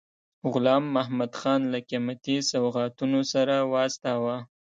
غلام محمدخان له قیمتي سوغاتونو سره واستاوه.